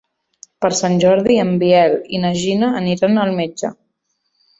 Per Sant Jordi en Biel i na Gina aniran al metge.